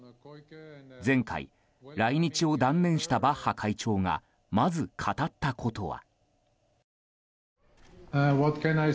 前回、来日を断念したバッハ会長がまず、語ったことは。